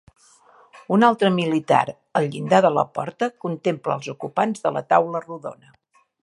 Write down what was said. Un altre militar, al llindar de la porta, contempla els ocupants de la taula rodona.